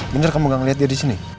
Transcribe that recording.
benar kamu gak liat dia di sini